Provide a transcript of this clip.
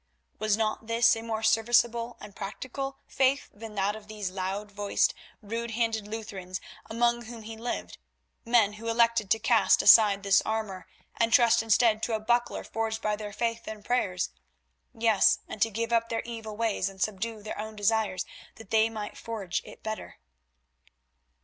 Was not this a more serviceable and practical faith than that of these loud voiced, rude handed Lutherans among whom he lived; men who elected to cast aside this armour and trust instead to a buckler forged by their faith and prayers—yes, and to give up their evil ways and subdue their own desires that they might forge it better?